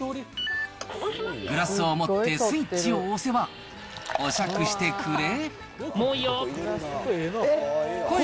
グラスを持ってスイッチを押せば、お酌してくれ。